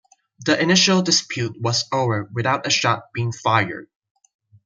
The initial dispute was over without a shot being fired.